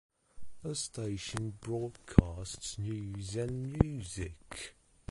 The station broadcasts news and music.